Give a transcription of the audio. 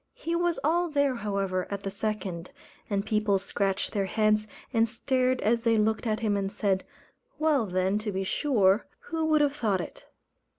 He was all there, however, at the second; and people scratched their heads, and stared as they looked at him and said, "Well, then, to be sure, who would have thought it!"